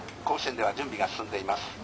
甲子園では準備が進んでいます。